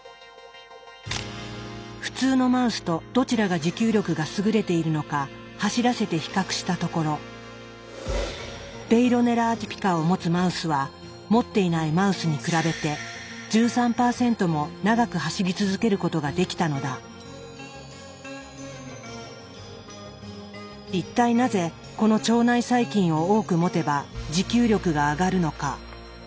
普通のマウスとどちらが持久力が優れているのか走らせて比較したところベイロネラ・アティピカを持つマウスは持っていないマウスに比べて一体なぜこの腸内細菌を多く持てば持久力が上がるのか？